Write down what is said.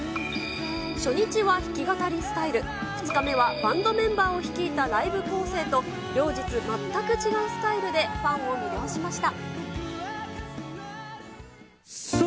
初日は弾き語りスタイル、２日目はバンドメンバーを率いたライブ構成と、両日全く違うスタイルで、ファンを魅了しました。